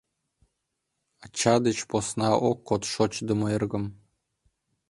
Ача деч посна ок код шочдымо эргым.